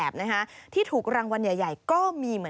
สวัสดีครับสวัสดีครับ